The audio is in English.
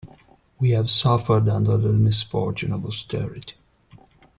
We have suffered under the misfortune of austerity.